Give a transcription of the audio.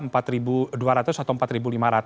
rp empat dua ratus atau rp empat lima ratus